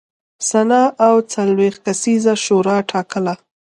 سنا او څلوېښت کسیزه شورا ټاکله.